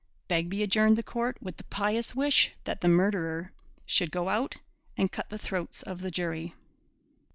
Begbie adjourned the court with the pious wish that the murderer should go out and cut the throats of the jury.